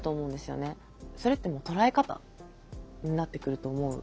それってもう捉え方になってくると思う。